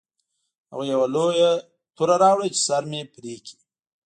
هغوی یوه لویه توره راوړه چې سر مې پرې کړي